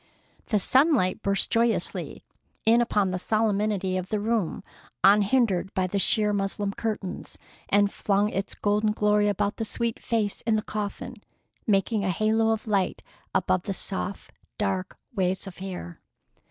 The sunlight burst joyously in upon the solemnity of the room, unhindered by the sheer muslin curtains, and flung its golden glory about the sweet face in the coffin, making a halo of light above the soft, dark waves of hair.